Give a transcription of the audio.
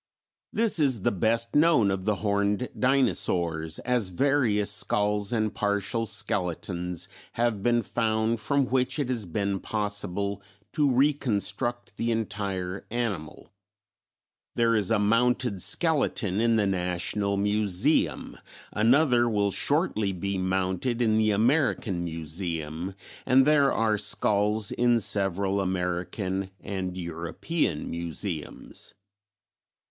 This is the best known of the Horned Dinosaurs, as various skulls and partial skeletons have been found from which it has been possible to reconstruct the entire animal. There is a mounted skeleton in the National Museum, another will shortly be mounted in the American Museum, and there are skulls in several American and European museums.